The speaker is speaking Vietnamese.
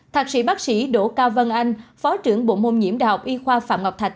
thạc sĩ bác sĩ đỗ cao vân anh phó trưởng bộ môn nhiễm đh y khoa phạm ngọc thạch